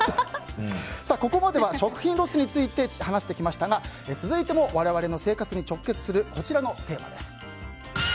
ここまでは食品ロスについて話してきましたが続いても我々の生活に直結するこちらのテーマです。